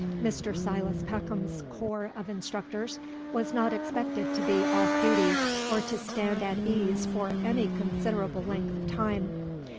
Mr. Silos Peckham's corps of instructors was not expected to be off duty or to stand at ease for any considerable length of time.